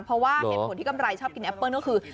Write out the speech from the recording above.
เพราะว่าเหตุผลที่กำไรชอบกินแอปเปิ้ลก็คือ